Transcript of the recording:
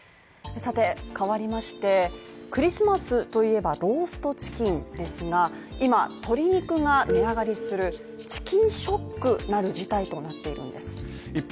さて、変わりましてクリスマスといえばローストチキンですが今、鶏肉が値上がりするチキンショックなる事態となっているんです一方